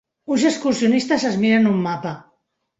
Uns excursionistes es miren un mapa.